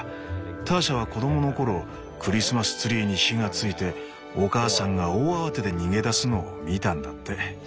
ターシャは子供の頃クリスマスツリーに火がついてお母さんが大慌てで逃げ出すのを見たんだって。